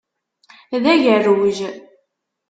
D agerruj!